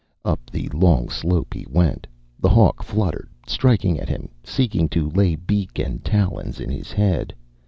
Up the long slope he went. The hawk fluttered, striking at him, seeking to lay beak and talons in his head.